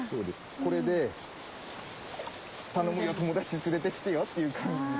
これで「頼むよ友達連れて来てよ」っていう感じで。